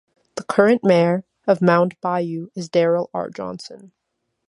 The current mayor of Mound Bayou is Darryl R. Johnson.